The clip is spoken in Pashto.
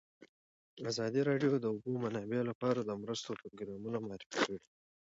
ازادي راډیو د د اوبو منابع لپاره د مرستو پروګرامونه معرفي کړي.